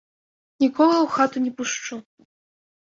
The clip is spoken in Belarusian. Нікога ў хату не пушчу!